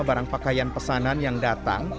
barang pakaian pesanan yang datang